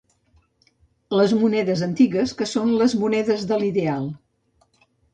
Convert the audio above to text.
Les monedes antigues, que són les monedes de l'ideal